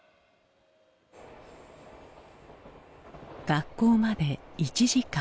学校まで１時間。